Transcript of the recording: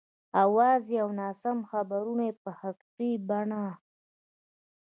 اوازې او ناسم خبرونه په حقیقي بڼه.